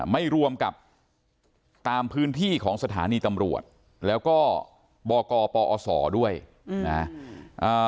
ไม่รวมกับตามพื้นที่ของสถานีตำรวจแล้วก็บกปอศด้วยนะ